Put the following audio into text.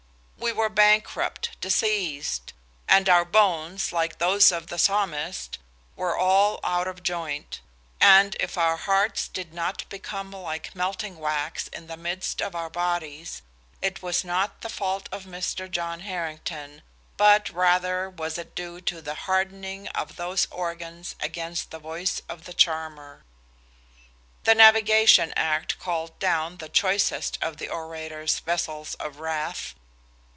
We were bankrupt, diseased; and our bones, like those of the Psalmist, were all out of joint; and if our hearts did not become like melting wax in the midst of our bodies, it was not the fault of Mr. John Harrington, but rather was it due to the hardening of those organs against the voice of the charmer. "The Navigation Act called down the choicest of the orator's vessels of wrath.